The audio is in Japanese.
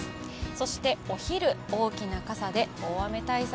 そしてお昼、大きな傘で大雨対策。